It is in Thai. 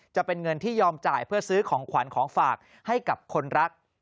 จะเป็นเงินที่ยอมจ่ายเพื่อซื้อของขวัญของฝากให้กับคนรัก